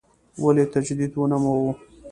ولې تجدید ونوموو.